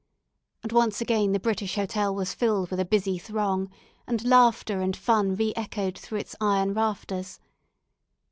And once more the British Hotel was filled with a busy throng, and laughter and fun re echoed through its iron rafters.